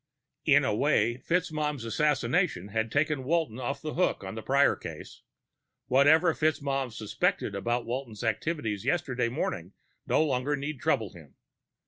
_ In a way, FitzMaugham's assassination had taken Walton off the hook on the Prior case. Whatever FitzMaugham suspected about Walton's activities yesterday morning no longer need trouble him.